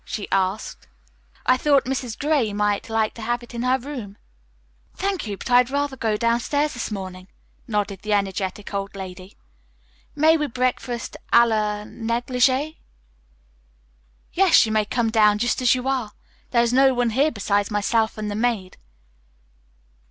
she asked. "I thought Mrs. Gray might like to have it in her room." "Thank you, but I'd rather go downstairs this morning," nodded the energetic old lady. "May we breakfast a la negligee?" "Yes, come down just as you are. There is no one here besides myself and the maid."